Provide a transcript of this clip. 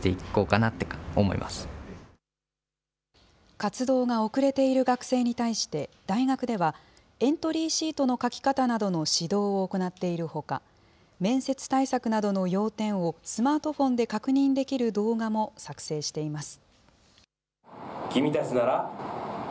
活動が遅れている学生に対して大学では、エントリーシートの書き方などの指導を行っているほか、面接対策などの要点を、スマートフォンで確認できる動画も作成しています。